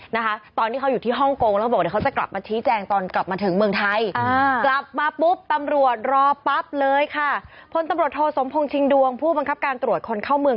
นะคะตอนที่เขาอยู่ที่ฮ่องกงแล้วเขาบอกว่าเดี๋ยวเขาจะกลับมาที่แจง